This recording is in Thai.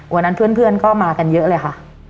วันนั้นเพื่อนก็มากันเยอะเลยค่ะ